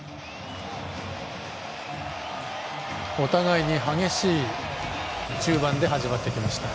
お互いに激しい中盤で始まってきました。